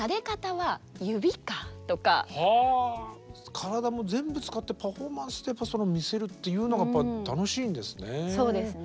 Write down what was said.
体も全部使ってパフォーマンスで見せるっていうのが楽しいんですね。